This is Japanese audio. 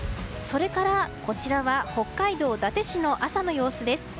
それからこちらは北海道伊達市の朝の様子です。